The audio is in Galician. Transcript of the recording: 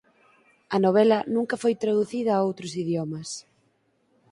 A novela nunca foi traducida a outros idiomas.